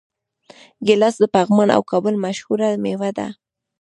ګیلاس د پغمان او کابل مشهوره میوه ده.